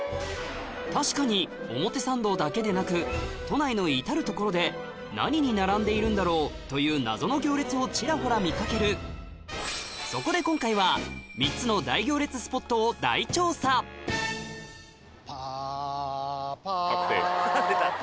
確かに表参道だけでなく都内の至る所で何に並んでいるんだろう？という謎の行列をちらほら見かけるそこで今回は３つのパパパ